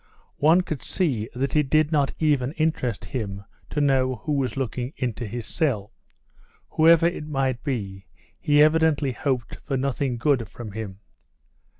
One could see that it did not even interest him to know who was looking into his cell. Whoever it might be, he evidently hoped for nothing good from him.